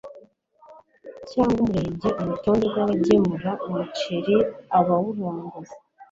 cyangwa umurenge Urutonde rw abagemura umuceri abawuranguza